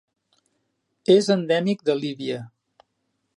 És endèmic de Líbia.